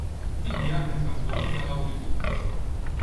Inti għandek rapporti tal-Awditur.